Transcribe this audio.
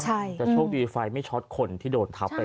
แต่โชคดีไฟไม่ช็อตคนที่โดนทับไป